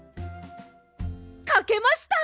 かけました！